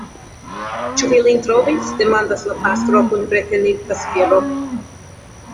Ĉu vi lin trovis?demandas la pastro kun retenita spiro.